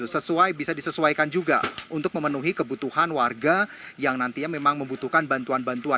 sesuai bisa disesuaikan juga untuk memenuhi kebutuhan warga yang nantinya memang membutuhkan bantuan bantuan